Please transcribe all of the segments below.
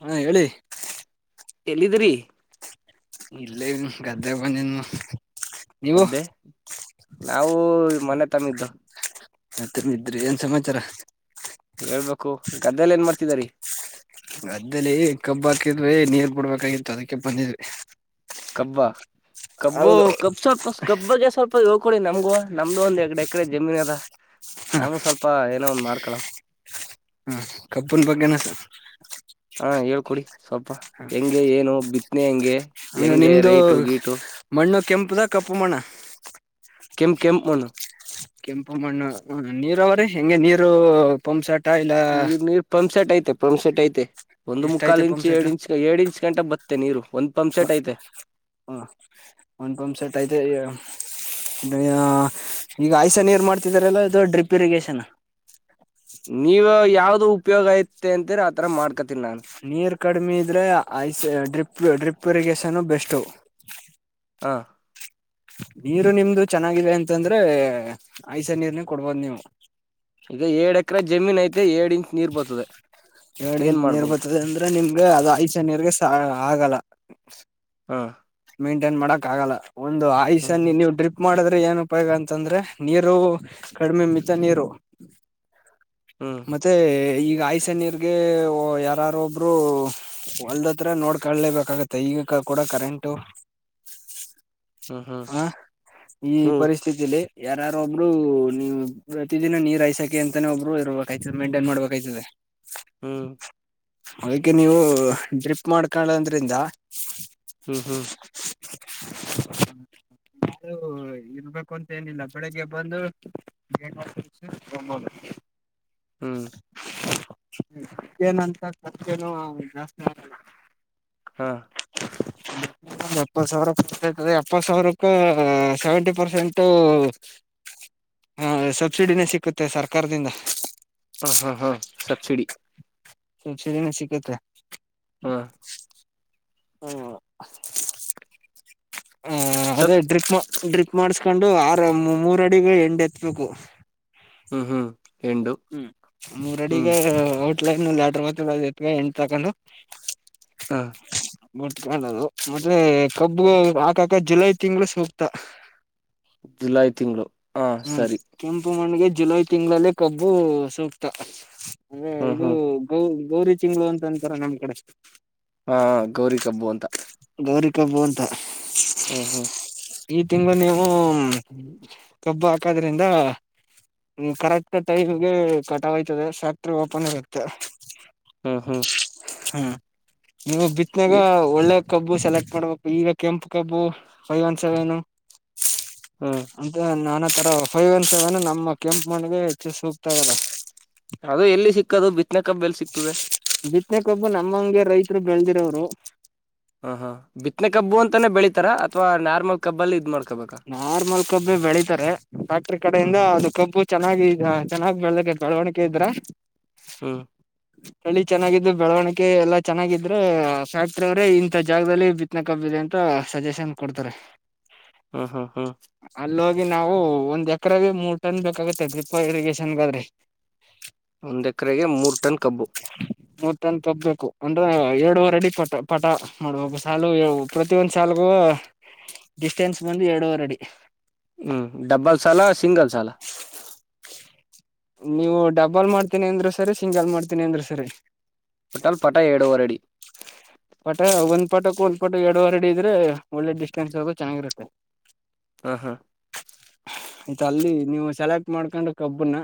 ಹಾ ಹೇಳಿ. ಎಲ್ಲಿದ್ರಿ. ಇಲ್ಲೇ ಗದ್ದೆ ಮನನು. ಗದ್ದೆ ನಾವು ಮನ. ತ್ತಮಿದ್ದ. ಮತ್ತನ್ ಇದ್ರಿ ಏನ್ ಸಮಾಚಾರ. ಹೇಳ್ಬೇಕು ಗದ್ದೆಲಿ ಏನ್ ಮಾಡ್ತಿದರಿ. ಮದ್ದಲ್ಲಿ ಕಬ್ಬ ಹಾಕಿದ್ವಿ ನೀರ್ ಬಿಡ್ಬೇಕಾಗಿತ್ತು ಅದಕ್ಕೆ ಬಂದಿದ್ವಿ. ಕಬ್ಬ ಕಬ್ಬು ಹೌದು ಕಬ್ು ಸ್ವಲ್ಪ ಕಬ್ಬಗೆ ಸ್ವಲ್ಪ ಹೋಗ ಕೊೊಡಿ ನಮ್ಗೂ ನಮ್ದು ಒಂದು್ ಎಡೆ ಎಕಡೆ ಜಮೀನ್ ಅದ ನವುು ಸ್ವಲ್ಪ ಇ ಒಂದ ಮಾಡ್ಕೊಳ ಕಬ್ಬುನ್ ಬಗ್ಗೆನ ಹಾಂ ಹೇಳ್ಕೊಡಿ ಸ್ವಲ್ಪ ಹೆಂಗೆ ಏನು ಬಿತ್ತು ಇನ ಹೆಗೆ ಅಂದ ನಿಮ್ದು ಮಣ್ಣು ಕೆಂಪದ ಕಪ್ಪಪು ಮನ ಕೆಂ ಕೆಮ ಮನ ಕೆಂಪು ಮಣ್ಣ ನೀರ್ ಅವ್ರೀ ಹೆಂಗೆ ನೀರು ಪಂಪ್ಸಟ್ ನೀರ್ ನೀರ್ ಪಂಪ್ ಸೆಟ್ ಐತೆ ಫ್ ಸೆಟ್ ಐತೆ ಒಂದು ಮುಕ್ಕಾಲ್ ಎಷ್ಟಐತೆ ಇಂಚ್ ಪಂಪ್ ಸೆಟ್ ಎರಡ್ ಇಂಚ್ ಎರಡ್ ಇಂಚ್ ಗಂಟ ಬತ್ತೆ ನೀರು ಒಂದ್ ಪಂಪ್ ಸೆಟ್ ಐತೆ ಹ ಒಂದ ಪಂಪ್ ಸೆಟ್ ಐತೆ ಈಗ ಆಯ್ಸ ನೀರು ಮಾಡ್ತಿದಿದ್ದಾರೆಲ್ಲ ಇದು ಡ್ರಿಪ್ ಇರಿಗಷನ್ ನೀವ ಯಾವ್ದ ಉಪಯೋಗ ಐತೆ ಅಂತೀರಾ ಆತರ ಮಾಡ್ತಾರೆ ನೀರ್ ಕಡಿಮೆ ಇದ್ರೆ ಐಸ್ drip drip drip irrigation best ಹಾ ನೀರು ನಿಮ್ದು ಚೆನ್ನಾಗಿದೆ ಅಂತಂದ್ರೆ ಆಯ್ಸ ನೀರ್ ನೆ ಕೊಡಬಹುದು ನೀವು ಎಕ್ರ ಜಮೀನ್ ಐತೆ ಇಂಚ್ ನೀರ್ ಬರ್ತದೆ ಎರಡ್ ಏನ್ ಇಂಚ್ ನೀರ್ ಮಾಡ್ಬೋದು ಬರ್ತಿದೆ ಅಂದ್ರೆ ನಿಮ್ಗೆ ಅದು ಆಯಿಷ ನೀರ್ ಗೆ ಆಗಲ್ಲ ಹ ಹಾ ಹ ಮೈಂಟೈನ್ ಮಾಡಕ್ ಆಗಲ್ಲ ಒಂದು ಆಯುಷ ನೀ ಹ್ಮ್ ನೀವು ಡ್ರಿಪ್ ಮಾಡದ್ರೆ ಏನ್ ಉಪಯೋಗ ಅಂತಂದ್ರೆ ನೀರು ಕಡಿಮೆ ಮಿತ ನೀರು ಹ್ಮ್ ಮತ್ತೆ ಈಗ ಆಯ್ಸೆ ನೀರ್ ಗೆ ಯಾರಾರೊಬ್ರು ಹೊಲ್ದತ್ರ ನೋಡ್ಕೊಳ್ಳಲೇಬೇಕಾಗತ್ತೆ ಈಗ ಕೂಡ ಕರೆಂಟ್ ಟ್ಟೋ ಹ್ಮ್ ಹ್ಮ್ ಹ ಈ ಹ್ಮ್ ಪರಿಸ್ಥಿತಲಿ ಯಾರಾರ ಒಬ್ರು ನೀ ಪ್ರತಿದಿನ ನೀರ್ ಐಸಾಕಿ ಅಂತಾನೇ ಒಬ್ರು ಇರಬೇಕಾಯ್ತದೆ ಮೈಂಟೈನ್ ಮಾಡ್ಬೇಕಾಯ್ತದೆ ಅದಕ್ಕೆ ನೀವು ಡ್ರಿಪ್ ಮಾಡ್ಕಳದ್ರಿಂದ ಹ್ಮ್ ಹ್ಮ ಹ ಇದು ಇರ್ಬೇಕು ಅಂತ ಏನಿಲ್ಲ ಬೆಳಿಗ್ಗೆ ಬಂದು ಗೇಟ್ ವಾಲ್ ತಿರುಗ್ಸಿ ಹೋಗಬಹುದು ಹ್ಮ್ ಪ್ಯೂರ್ ಏನ್ ಅಂತ ಖರ್ಚೇನು ಜಾಸ್ತಿ ಆಗಲ್ಲ ಹಾ ಎಪ್ಪತ್ತು ಸಾವಿರ ಬರ್ತೈತ್ರೀ ಇಪ್ಪತ್ತು ಸಾವಿರಕ್ಕ ಸೆವೆಂಟಿ ಪರ್ಸೆಂಟ್ ಸಬ್ಸಿಡಿನೇ ಸಿಕ್ಕುತ್ತೆ ಸರ್ಕಾರದಿಂದ ಹ ಹಾ ಹಾ ಸಬ್ಸಿಡಿ ಸಬ್ಸಿಡಿ ಸಿಕ್ಕುತ್ತ ಹಾ ಹ್ಮ ಹ ಅದೇ ಸಬ್ ಡ್ರಿಪ್ ಡ್ರಿಪ್ ಮಾಡಸ್ಕೊಂಡು ಆರು ಮೂರ ಅಡಿಗೆ ಎಂಡ ಎತ್ಬೇಕು ಹ್ಮ್ ಹ್ಮ್ ಎಂಡು ಹ್ಮ್ ಮೂರ ಹ್ಮ್ ಅಡಿಗೆ ಇ ನೀ್ ಲೆಟರ್ ಮತ್ ಎಂು ತಕೊಂಡು ಹ ಬಟ್ ಕಾಣದು ಮತ್ತೆ ಕಬ್ಬು ಹಾಕಾಕ ಜುಲೈ ತಿಂಗಳ ಸೂಕ್ತ ಜುಲೈ ತಿಂಗಳು. ಹಾ ಹ್ಮ್ ಸರಿ ಕೆಂಪು ಮಣಿಗೆ ಜುಲೈ ತಿಂಗಳಲ್ಲಿ ಕಬ್ಬು ಸೂಕ್ತ. ಅಂದ್ರೆ ಹ್ಮ್ ಇದು ಹ್ಮ್ ಗೌರಿ ಗೌರಿ ತಿಂಗ್ಗಳು ಅಂತ ಅಂತಾರ ನಮ್ ಕಡೆಷ್ಟ ಹಾ ಗೌರಿ ಕಬ್ಬು ಅಂತ. ಗೌರಿ ಕಬ್ಬು ಅಂತ. ಹ್ಮ್ ಹ್ಮ್ [inaudible] ಈ ತಿಂಗಳು ನೀವು ಕಬ್ಬು ಹಾಕೋದ್ರಿಂದ ಕರೆಕ್ಟ್ ಟೈಮ್ಗೆ ಕಟ್ಯ್ತದೆ ಫ್ಯಾಕ್ಟ್ರಿ ಓಪನ್ ಇರತ್ತೆ ಹ್ಮ್ ಹ್ಮ್ ಹ್ಮ ನೀವು ಬಿತ್ನಾಗ ಒಳ್ಳೆ ಕಬ್ಬು ಸೆಲೆಕ್ಟ್ ಮಾಡ್ಬೇಕು ಈಗ ಕೆಂಪು ಕಬ್ಬು ಫೈವ್ ಒನ್ ಸೆವೆನ್ ಹ್ಮ್ ಅಂತ ನಾ ನನ್ನ ತರ ಫೈವ್ ಒನ್ ಸೆವೆನ್ ನಮ್ಮ ಕೆಂಪು ಮಣಗೆ ಹೆಚ್ಚು ಸೂಗ್ತಾಲ್ಲ ಅದು ಎಲ್ಲಿ ಸಿಕ್ಕದು ಬಿ ಕಬ್ಬು ಎಲ್ ಸಿಗ್ತದೆ ು ನಮ್ಮಂಗೆ ರೈತರು ಬೆಳದಿರೋರು ಹ ಹಾ ಬಿತ್ತನೆ ಕಬ್ಬಲಿ ಇದ್ ಮಾಡ್ ನಾರ್ಮಲ್ ಕಬ್ಬೆ ಬೆಳಿತಾರೆ ಫ್ಯಾಕ್ಟ್ರ ಹ್ಮ್ ಕಡೆಯಿಂದ ಹ್ಮ್ ಅದು ಕಬ್ಬು ಚೆನ್ನಾಗಿ ಚೆನ್ನಾಗಿ ಬೆಳಕ ಬೆಳವಣಿಕೆ ಇದ್ರ ಹ್ಮ ಬೆಳಿ ಚೆನ್ನಾಗಿದ್ದು ಬೆಳವಣಿಗೆ ಎಲ್ಲಾ ಚೆನ್ನಾಗಿದ್ರೆ ಫ್ಯಾಕ್ಟ್ರಿ ಅವರೇ ಇಂಥ ಜಾಗದಲ್ಲಿ ಬಿತ್ನಕ್ಬ್ಬಿದೆ ಅಂತ ಸಜೆಷನ್ ಕೊಡ್ತಾರೆ ಹ್ಮ ಹ್ಮ ಹ್ಮ್ ಅಲ್ಲೋಗಿ ನಾವು ಒಂದ್ ಎಕ್ರಾಗ ಮೂರ್ ಟನ್ ಬೇಕಾಗತ್ತೆ ಡ್ರಿಪ್ ಇರಿಗೇಷನ್ಗಾದ್ರೆ ಒಂದ್ ಎಕರೆಗೆ ಮೂರ್ ಟನ್ ಕಬ್ಬು ಮೂರು ಟನ್ ಕಬ್ಬು ಬೇಕು ಅಂದ್ರೆ ಎ ರೆಡಿ ಪ ಪಟ ಮಾಡುವ ಒಬ್ ಸಾ ಪ್ರತಿಯೊಂದು ಸಾಾಲಗೂ ಡಿಸ್ಟೆನ್ಸ್ ಬಂದು ಎರಡವರಡಿ ಹ್ಮ್ ಡಬ್ಬಲ್ ಸಾಲ ಸಿಂಗಲ್ ಸಾಲ ನೀವು ಡಬಲ್ ಮಾಡ್ತೀನಿ ಅಂದ್ರೂ ಸರಿ ಸಿಂಗಲ್ ಮಾಡ್ತೀನಿ ಅಂದ್ರರು ಸರಿ ಓಟಲ್ಲಿ ಪಟ ಎಡುವರಡಿ ಪಟ ಒಂದ್ ಪಟಕ್ ಒಂದ್ ಪಟ ಎರಡುವರ್ಡಿ ಇದ್ರೆ ಒಳ್ಳೆ ಡಿಸ್ಟೆನ್ಸ್ ಹ ಚೆನ್ನಾಗಿರುತ್ತೆ ಹಾ ಹಾ ಆಯ್ತ ಅಲ್ಲಿ ನೀವು ಸೆಲೆಕ್ಟ್ ಮಾಡ್ಕೊಂಡು ಕಬ್ಬನ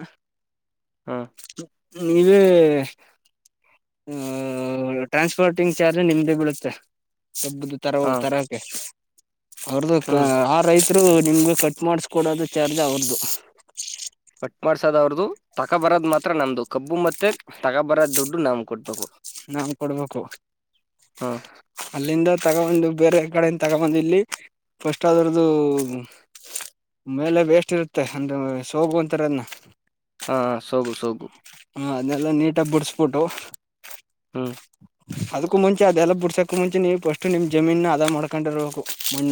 ಹಾ ನೀವೇ ಟ್ರಾನ್ಸ್ಪೋರ್ಟಿಂಗ್ ವಿಚಾರೆ ನಿಮ್ದೇ ಬೀಳುತ್ತೆ ಕಬ್ಬುದು ತರ ಹಾ ತರಕೆ ಅವ್ರದದುು ಹ್ಮ್ ಆ ರೈಸ್ ದ್ರು ನಿಮ್ಗೂ ಕಟ್ಮಾಡಿಸ್ಕೊಡೋದು ಚಾರ್ಜ್ ಅವರ್ದು. ಕಟ್ಮಾಡ್ಸೋದು ಅವರ್ದು ತಕ ಬರೋದ್ ಮಾತ್ರ ನಂದು ಕಬ್ಬು ಮತ್ ಮತ್ತೆ ತಗಬರ ದುಡ್ಡು ನಮ್ ಕಟ್ಬೇಕು ನಾನ್ ಕೊಡ್ಬೇಕು. ಹಾ ಅಲ್ಲಿಂದ ತಗೊಬಂದು ಬೇರೆ ಕಡೆಯಿಂದ ತಗೊಬಂದು ಇಲ್ಲಿ ಫಸ್ಟ್ ಅದ್ರದ್ದು ಮೇಲೆ ವೇಸ್ಟ್ ಇರುತ್ತೆ ಅಂದ್ರ ಸೋಗು ಅಂತಾರೆದನ್ನ. ಹಾ ಸೋಗು ಸೋಗು ಹ ಅದ್ನೇಲ್ಲ ನೀಟಾಗ್ ಬುಡ್ಸ್ಬುಟ್ಟು ಹ್ಮ್ ಅದ್ಕು ಮುಂಚೆ ಅದೆಲ್ಲ ಬುಡ್ಸಕ್ ಅದ್ಕು ಮುಂಚೆ ನೀವ್ ಫಸ್ಟು ನಿಮ್ ಜಮೀನ ಅದ ಮಾಡ್ಕಂಡಿರ್ಬೇಕು ಮಣ್ಣ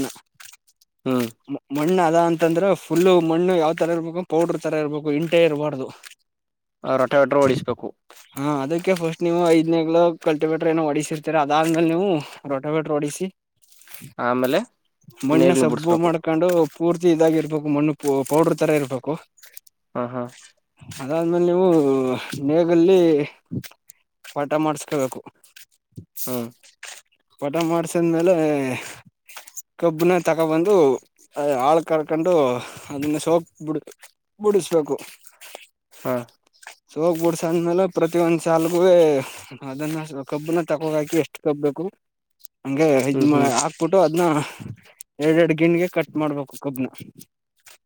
ಹ್ಮ್ ಮ ಮಣ್ಣಾ ಇಲ್ಲ ಅಂತಂದ್ರ ಫುಲ್ಲು ಮಣ್ಣು ಯಾವ್ ತರ ಇರ್ಬೇಕು ಪೌಡ್ರು ತರ ಇರ್ಬೇಕು ಇಂಟೆ ಇರ್ಬಾರ್ದು ಹಾ ರೊಟೆಟ್ರು ಹೊಡಿಸ್ಬೇಕು ಅದ್ಕೆ ಫಸ್ಟ್ ನೀವು ಐದ್ನೇಗ್ಲ ಕಲ್ಟಿವೆಟ್ರು ಏನೋ ಹೊಡಿಸಿರ್ತೀರ ಅದಾದ್ಮೇಲ್ ನೀವು ರೊಟೆವೆಟ್ರು ಹೊಡಿಸಿ ಆಮೇಲೆ ಮಣ್ಣ ನೇಗ್ಲು ಸಬ್ಬು ಬಿಡ್ಸ್ಬೇಕು ಮಾಡ್ಕಂಡು ಪೂರ್ತಿ ಇದಾಗಿ ಇರ್ಬೇಕು, ಮಣ್ಣು ಪೋ ಪೌಡ್ರು ತರ ಇರ್ಬೇಕು. ಹ ಹಾ ಅದಾದ್ಮೇಲ್ ನೀವು ನೇಗಲ್ಲಿ ಪಠ ಮಾಡ್ಸ್ ಟ್ ಮ್ ಪಠ ಮಾಡ್ಸದ್ಮೇಲೆ ಕಬ್ನ ತಗಬಂದು ಆಳ್ ಕರ್ಕಂಡು ಅದನ್ನ ಸೋಕ್ ಬುಡ್ ಬುಡಸ್ಬೇಕು ಅ ಸೋಗ್ ಬುಡಸಾದ್ಮೇಲೆ ಪ್ರತಿ ಒಂದ್ ಸಾಲ್ಗುವೇ ಅದನ್ನ ಕಬ್ಬನ ತಗೋ ಹೋಗಾಕಿ ಎಷ್ಟ್ ಕಬ್ ಬೇಕು ಅಂಗೆ ಇದ್ ಹ್ಮ್ ಹ್ಮ್ ಮಾಡ್ ಆಕ್ಬುಟ್ಟು ಅದ್ನ ಎರಡೆರಡು ಗಿನ್ಗೆ ಕಟ್ ಮಾಡ್ಬಕು ಕಬ್ನ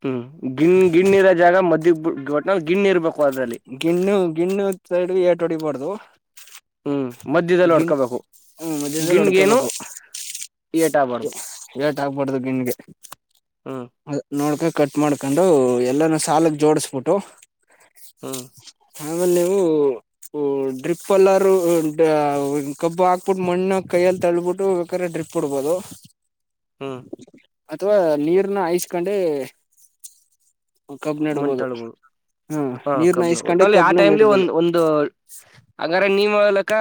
ಹ್ಮ್ ಗಿಣ್ ಗಿಣ್ಣಿರ ಜಾಗ ಮಧ್ಯಕ್ ಬು ವ ನ ಗಿಣ್ ಇರ್ಬೇಕು ಅದ್ರಲ್ಲಿ ಗಿಣ್ಣು ಗಿಣ್ಣು ಸೈಡ್ಗೆ ಏಟೋಡೀಬಾರ್ದು ಹ್ಮ್ ಮಧ್ಯದಲ್ಲಿ ಹೊಡ್ಕಬೇಕು. ಮಧ್ಯದಲ್ಲಿ ಗಿಣ್ಗೇನು ಹೊಡ್ಕೋಬೇಕು ಏಟಾಗ್ಬಾರ್ದು ಆಗ್ಬಾರ್ದು ಗಿಣ್ಣ್ಗೆ ಅ ನೋಡ್ಬೇಕ್ ಕಟ್ ಮಾಡ್ಕಂಡು ಎಲ್ಲಾನು ಸಾಲಕ್ ಜೋಡ್ಸ್ಬುಟ್ಟು ಹ್ಮ್ ಆಮೇಲೆ ನೀವು ಉ ಡ್ರಿಪ್ ಅಲ್ಲಾರೂ ಡ ಕಬ್ಬು ಹಾಕ್ಬುಟ್ಟು ಮಣ್ಣ ಕೈಯಲ್ಲಿ ತಲ್ಬುಟ್ಟು ಬೇಕಾದ್ರೆ ಡ್ರಿಪ್ ಬುಡಬೋದು ಹ್ಮ ಅಥವಾ ನೀರ್ನ ಐಸ್ಕಂಡೆ ಕಬ್ ನಡ್ಬಹದು ಹ್ಮ ಕಬ್ ಒಟ್ನಲ್ಲಿ ಆ ಟೈಮ್ಲಿ ಒ ಒಂದು್ ಹಂಗ ನೀವೇ ಹೇಳೋ ಲೆಕ್ಕ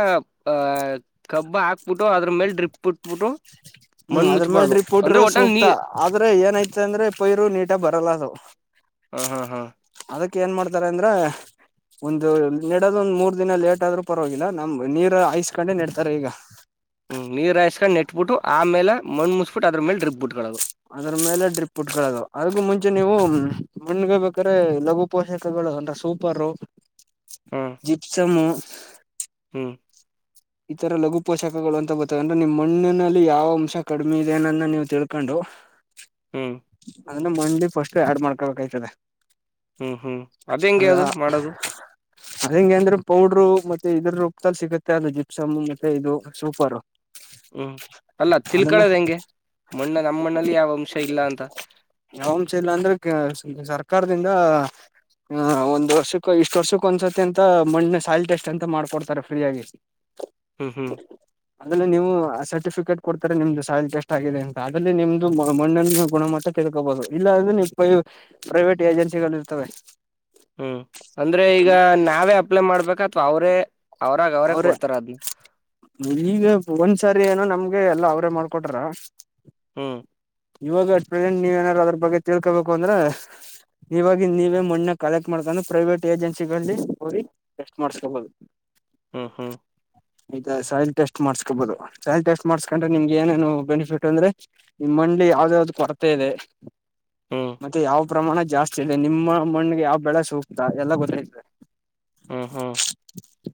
ಕಬ್ಬ ಹಾಕ್ಬಿಟ್ಟು ಅದ್ರ ಮೇಲೆ ಡ್ರಿಪ್ಪ್ಬಟ್ಬಿಟ್ಟು ಹ್ಮ್ ಅದ್ರ ಮೇಲ್ ರಿಪೋಟರು ಸೂಕ್ತ ಆದ್ರೆ ಏನಐತ ಅಂದ್ರೆ ಪೈರು ನೀಟ ಬರಲ್ಲ ಅದು. ಹಾ ಹಾ ಹಾ. ಅದಕ್ ಏನ್ ಮಾಡ್ತಾರ ಅಂದ್ರ ಒಂದು ನೆಡೋದ ಒಂದ್ ಮೂರ್ ದಿನ ಲೇಟ್ ಆದ್ರೂ ಪರವಾಗಿಲ್ಲ ನಮ್ ನೀರ್ ಹಐಸ್ಕೊಂಡೆ ನೆಡ್ತಾರೆ ಈಗ. ಹ್ಮ್ ನೀರ್ ಹಾಯಸ್ಕೊಂಡ ನೆಟ್ಬಿಟ್ಟು ಆಮೇಲೆ ಮುಿಸಬಟ್ಟ ಅದ್ರ ಮೇ ಡ್ರಿಪ್ ಬಿಟ್ಕೊಳ್ಳೋದು ಅದ್ರ ಮೇಲೆ ಡ್ರಿಪ್ ಬಿಟ್ಕೋಳೋದು ಅದಕ್ಕೂ ಮುಂಚೆ ನೀವು ಮಣಗ ಬೇಕ್ರೆ ಲಘು ಪೋಷಕಗಳು ಅಂದ್ರ ಸೂಪರ್ ಹ್ಮ್ ಜೀಪ್ಸಮು ಹ್ಮ್. ಈತರ ಲಘು ಪೋಷಕಗಳು ಅಂತ ಗೊತ್ತಂದ್ರೆ ನಿಮ್ ಮಣ್ಣಿನಲ್ಲಿ ಯಾವ ಅಂಶ ಕಡಿಮೆ ಇದೆನನ್ನ ನೀವು ತಿಳ್ಕೊಂಡು. ಹ್ಮ್ ಅದನ್ನ ಮಂಡಿ ಸ್ಟ್ ಆಡ್ ಮಾಡ್ಕೋಬೇಕಾಗ್ತದೆ. ಹ್ಮ್ ಹ್ಮ್ ಅದ್ ಹೆಂಗಗೆ ಅದು ಮಾಡದು. ಅದ ಹೆಂಗಗೆ ಅಂದ್ರೆ ಪೌಡ್ರು ಮತ್ತೆ ಇದ್ರೊಪ್ತಲ್ ಸಿಗುತ್ತೆ ಅದ ಜೊತೆ ಸಮ್ಮು ಮತ್ತೆ ಇದು ಸೂಪರ್ರು. ಹ್ಮ್ ಅಲ್ಲ ತಿಳ್ಕಳದ ಹೆಂಗೆ ಮಣ್ಣ ನಮ್ಮಣ್ಣಲ್ಲಿ ಯಾವ್ ಅಂಶ ಇಲ್ಲ ಅಂತ. ಒಂದ ವರ್ಕ್ಕ ಇಷ್ಟ ವರ್ಷಕ್ಕ ಒಂದ್ಸತಿ ಅಂತ ಮಣ್ಣ ಸಾಯಲ್ ಟೆಸ್ಟ್ ಅಂತ ಮಾಡ್ಕೊಡ್ತಾರೆ ಫ್ರೀ ಆಗಿ ಹ್ಮ್ ಹ್ಮ್. ಅದ್ರಲ್ಲಿ ನೀವು ಸರ್ಟಿಫಿಕೇಟ್ ಕೊಡ್ತಾರೆ ನಿಮ್ದು ಸಾಯ ಎಷ್ಟ ಆಗಿದೆ ಅಂತ ಅದ್ರ ನಿಮ್ದು ಮಣ್ಣ ಗುಣಮಟ್ಟ ತಿಳ್ಕೋಬಹುದು ಇಲ್ಲಾಂದ್ರೆ ಇ ಪ ಪ್ರೈವೇಟ್ ಏಜೆನ್ಸಿಗಳು ಇರ್ತವೆ. ಹ್ಮ್ ಅಂದ್ರೆ ಈಗ ನಾವೇ ಅಪ್ಲೈ ಮಾಡ್ಬೇಕತ್ ಅಥ್ವಾ ಅವರೇ ಅವರ ಅವ್ರೆ ಈಗ ಒಂದ್ಸರಿ ಏನೋ ನಮ್ಗೆ ಎಲ್ಲ ಅವ್ರೇ ಮಾಡ್ಕೊಟ್ರ ಹ್ಮ ಇವಾಗ ಅಟ್ ಪ್ರೆಸೆಂಟ್ ನೀವ್ ಏನಾದಾರು ಅದ್ರ ಬಗ್ಗೆ ತಿಳ್ಕೋಬೇಕು ಅಂದ್ರೆ ನೀವಾಗಿ ನೀವೇ ಮಣ್ಣ ಕಲೆಕ್ಟ್ ಮಾಡ್ಕೊಂಡು ಪ್ರೈವೇಟ್ ಏಜೆನ್ಸಿಗಳಲ್ಲಿ ಹೋಗಿ ಟೆಸ್ಟ್ ಮಾಡಸ್ಕೊಬಹುದು ಹ್ಮ ಹಾ ಸಾಯಿಲ್ ಟೆಸ್ಟ್ ಮಾಡ್ಸ್ಕೋಬಹುದು ಸಾಯಿಲ್ ಟೆಸ್ಟ್ ಮಾಡ್ಸ್ಕೊಂಡ್ರೆ ನಿಮ್ಗೆ ಏನೇನು ಬೆನಿಫಿಟ್ ಅಂದ್ರೆ ನಿಮ್ಮ ಮನ್ಲಿ ಯಾವ್ದ್ ಯಾವ್ದ್ ಕೊರತೆ ಇದೆ ಹ್ಮ್ ಮತ್ತೆ ಯಾವ ಪ್ರಮಾಣ ಜಾಸ್ತಿ ಇದೆ ನಿಮ್ಮ ಮಣ್ಣಿಗೆ ಯಾವ ಬೆಳೆ ಸೂಕ್ತ ಎಲ್ಲ ಗೊತ್ತದೆ ಹ್ಮ್ ಹ್ಮ್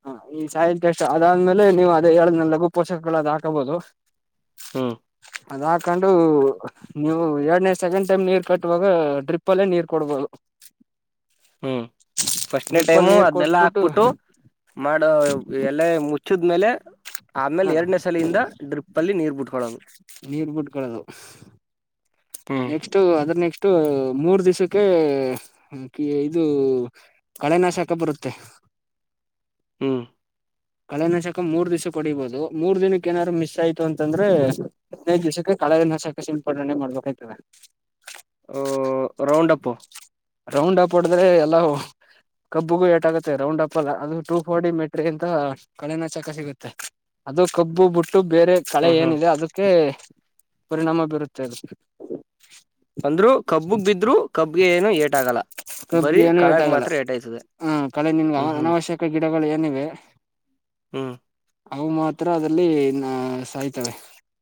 ಹಾ ಈ ಸಾಯಿಲ್ ಟೆಸ್ಟ್ ಅದಾದ್ಮೇಲೆ ನೀವು ಅದ ಹೇಳಿದನಲ್ಲ ಲಘು ಪೋಷಕಗಳು ಅದು ಹಾಕಬಹುದು ಹಾ ಅದ್ ಹಾಕೊಂಡು ನೀವು ಎರಡನೇ ಸೆಕೆಂಡ್ ಟೈಮ್ ನೀರ್ ಕಟ್ಟುವಾಗ ಡ್ರಿಪ್ಲ್ಲೇ ನೀರ್ ಕೊಡ್ಬೋುದು ಹ್ಮ್ ಫಸ್ಟ್ನೇ ಅಲ್ಲಿ ಟೈಮು ನೀರ್ ಅದ್ನೆಲ್ಲಾ ಕೊಟ್ಬಿಟ್ಟು ಹಾಕ್ಬಿಟ್ಟು ಮಾಡ ಎಲೆ ಮುಚ್ಚಿದ್ಮೇಲೆ ಹ [inaudible] ಆಮೇಲೆ ಹ ಎರಡನೇ ಸಲಿಯಿಂದ ಡ್ರಿಪ್ ಅಲ್ಲಿ ನೀರ್ಬ ಬಿಟ್ಟು [unintelligible] ಟ್ಕೊಳ್ಳೋದು [unintelligible] ನೀರ್ ಮುಡ್ಕೊಳ್ಳೋದು [unintelligible] ಹ್ಮ್ ನೆಕ್ಸ್ಟ್ ಅದ್ರ ನೆಕ್ಸ್ಟ್ [unintelligible] ಇ ಮೂರ್ ದಿವ್ಸಕ್ಕೆ ಇದು ಕಳೆನಾಶಕ ಬರುತ್ತೆ [unintelligible] ಹ್ಮ್ [unintelligible] ಕಳೆ ನಾಶಕ ಮೂರ್ ದಿವ್ಸ ಹೊಡಿಬಹುದು ಮೂರ್ ದಿನಕ್ಕೆ ಏನಾದ್ರು ಮಿಸ್ ಆಯ್ತು ಅಂತಂದ್ರೆ ಹದಿನೈದು ದಿವ್ಸಕ್ಕೆ ಕಳೆ ನಶಕ ಸಿಲ್ಪಡನೆೆ ಮಾಡ್ಬೇಕಾಗ್ತದೆ [unintelligible] ರೌಂಡ ಅಪ್ಪು [unintelligible] ರೌಂಡ್ ಅಪ್ ಹೊಡದ್ರೆ ಎಲ್ಲ ಕಬ್ಬುಗೂ ಏಟಾಗುತ್ತೆ ರೌಂಡ್ ಅಪ್ಲ್ಲ ಅದು ಟೂ ಫೋರ್ಟಿ ಮೆಟ್ರಿ ಅಂತ ಕಳೆನ ಚಕ ಸಿಗುತ್ತೆ ಅದು ಕಬ್ಬು ಬಟ್ಟ [unintelligible] ಇಟ್ಟು ಬೇರೆ ಕಲೆ ಹ್ಮ್ ಹ್ಮ್ ಏನಿದೆ ಅದಕ್ಕೆ [unintelligible] ಪರಿಣಾಮ ಬೀರುತ್ತೆ ಅದು [unintelligible] ಅಂದ್ರು ಕಬ್ಬಗ್ ಬಿದ್ರು ಕಬ್ಗೆ ಏನು ಎಟ್ [unintelligible] ಕಬ್ಗೆ ಏನು ಟಾಗಲ್ಲ ಏಟಾಯ್ತದೆ ಹ್ಮ್ ಕಳೆ ನಿನ್ಗೆ ಹ್ಮ್ ಹ್ಮ್ ಅನಾವಶ್ಯಕ ಗಿಡಗಳು ಏನಿವೆ [unintelligible] ಹ್ಮ್ ಅವು ಮಾತ್ರ ಅದಲ್ಲಿ ನ ಸಾಯ್ತವೆ [unintelligible]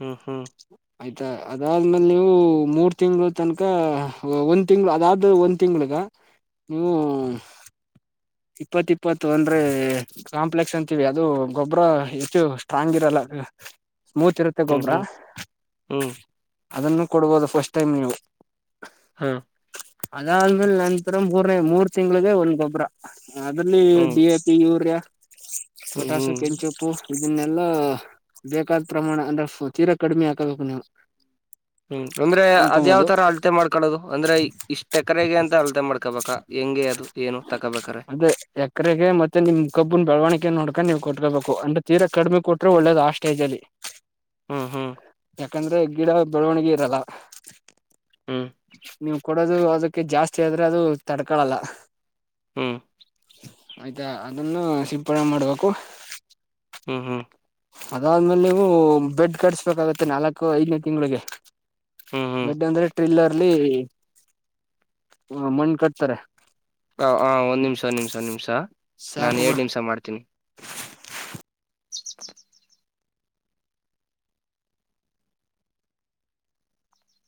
ಹ್ಮ್ ಹ್ಮ್ [unintelligible] ಆಯ್ತಾ ಅದಾದ್ಮೇಲೆ ನೀವು ಮೂರ್ ತಿಂಗಳು ತನಕ ಒ [unintelligible] ತಿಂಗಳು ಅದಾದ ಒಂದ್ ತಿಂಗಳಗ ನೀವು [unintelligible] ಇಪ್ಪತ್ ಇಪ್ಪತ್ತು ಅಂದ್ರೆ ಕಾಂಪ್ಲೆಕ್ಸ್ ಅಂತೀವಿ ಅದು ಗೊಬರ ಹೆಚ್ಚು ಸ್ಟ್ರಾಂಗ್ ಇರಲ್ಲ [unintelligible] ಮೂಚಿರುತ್ತೆ ಹ್ಮ್ ಹ್ಮ್ ಗೊಬ್ರ ಹ್ಮ್ ಹ್ಮ್ [unintelligible] ಅದನ್ನು ಕೊಡ್ಬೋದು ಫಸ್ಟ್ ಟೈಮ್ ನೀವು [unintelligible] ಹಾ [unintelligible] ಅದಾದ್ಮೇಲೆ ನಂತರ ಮೂರ್ನೇ ಮೂರ್ ತಿಂಗ್ಳಿಗೆ ಒಂದ್ ಗೊಬ್ಬರ [unintelligible] ಹಷ್ಟ [unintelligible] ಅದ್ರಲ್ಲಿ ಹ್ಮ್ ಡಿ ಎ ಪಿ ಯೂರಿಯಾ [unintelligible] ಹ್ಮ್ ಹ್ಮ್ ಪಟಾಸು ಹ್ಮ್ ಕೆಂಚುಪು [unintelligible] ಇದನ್ನೆಲ್ಲಾ ಬೇಕಾದ ಪ್ರಮಾಣ ಅಂದ್ರೆ ತೀರಾ ಕಡಿಮೆ ಹಾಕಬೇಕು ನೀವು [unintelligible] ಹ್ಮ್ ಅಂದ್ರೆ ಅದ್ಯಾವ್ ಹಾಕಬಹುದು ತರ ಅಳ್ತೆ ಮಾಡ್ಕೊಳ್ಳೋದು ಅಂದ್ರೆ ಇಷ್ಟ್ ಎಕರೆಗೆ ಅಂತ ಅಳ್ತೆ ಮಾಡ್ಕೊಬೇಕಾ ಹೆಂಗೆ ಅದು ಏನು ತಕೋಬೇಕ್ರ [unintelligible] ಎಕರೆಗೆ ಮತ್ತೆ ನಿಮ್ ಕಬ್ಬನ್ ಬೆಳವಣಿಗೆ ನೋಡ್ಕೊಂಡ ನೀ್ ಕೊಟ್ಕೋಬೇಕು ಅಂದ್ರೆ ತೀರ ಕಡಿಮೆ ಕೊಟ್ರೆ ಒಳ್ಳೇದ ಆ ಸ್ಟೇಜ ಅಲ್ಲಿ [unintelligible] ಹ್ಮ್ ಹ್ಮ್ ಯಾಕಂದ್ರೆ [unintelligible] ಗಿಡ ಬೆಳವಣಿಗೆ ಇರಲ್ಲ [unintelligible] ಹ್ಮ್ ನೀವು ಕೊಡೋದು ಅದಕ್ಕೆ ಜಾಸ್ತಿ ಆದ್ರೆ ಅದು ತಡ್ಕೊಳಲ್ಲ [unintelligible] ಹ [unintelligible] ಆಯ್ತಾ ಅದನ್ನು ಸಿಪ್ಪಳ ಮಾಡ್ಬೇಕು [unintelligible] ಹ್ಮ್ ಹ್ಮ್ [unintelligible] ಅದಾದ್ಮೇಲೆ ನೀವು ಬೆಡ್ ಕಟ್ಸ್ಬೇಕಾಗತ್ತೆ ನಾಲ್ಕು ಐದನೇ ತಿಂಗಳಿಗೆ [unintelligible] ಹ್ಮ್ ಹ್ಮ್ ಗಡ್ಡೆ ಅಂದ್ರೆ ಟ್ರಿಲ್ಲರ್ [unintelligible] ಅಲ್ಲಿ ಮಣ್ಣ ಕಟ್ತಾರೆ ಹ ಹ ಒಂದ್ ನಿಮಿಷ ಒಂದ್ ನಿಮಿಷ ಒಂದ್ ನಿಮಿಷಾ ಸಾಕು ನಾನು ಬಿಡು ಎಏಡ್ ನಿಮಿಷ ಮಾಡ್ತೀನಿ ಜಿಕ್ ಚಿಕ್ಕ್